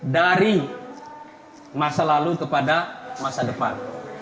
dari masa lalu kepada masa depan